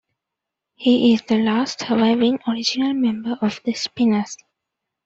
He is the last surviving original member of the Spinners.